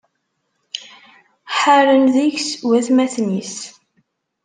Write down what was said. Ḥaren deg-s watmaten-is.